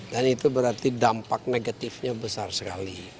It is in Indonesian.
dan itu berarti dampak negatifnya besar sekali